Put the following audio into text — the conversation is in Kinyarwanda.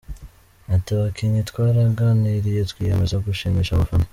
Ati: “Abakinnyi twaraganiriye twiyemeza gushimisha abafana.